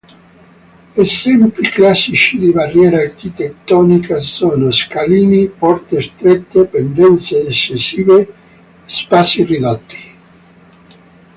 Esempi classici di barriera architettonica sono: scalini, porte strette, pendenze eccessive, spazi ridotti.